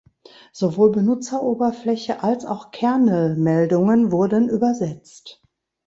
Sowohl Benutzeroberfläche als auch Kernel-Meldungen wurden übersetzt.